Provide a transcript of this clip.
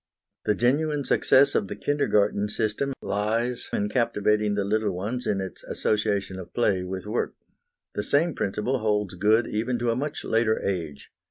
The genuine success of the Kindergarten system in captivating the little ones lies in its association of play with work. The same principle holds good even to a much later age.